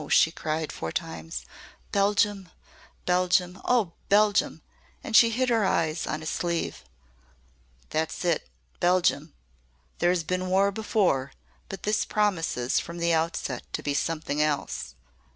she cried four times, "Belgium! Belgium! Oh! Belgium!" And she hid her eyes on his sleeve. "That's it Belgium! There has been war before, but this promises from the outset to be something else.